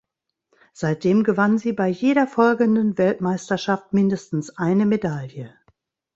Seitdem gewann sie bei jeder folgenden Weltmeisterschaft mindestens eine Medaille.